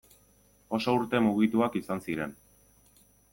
Oso urte mugituak izan ziren.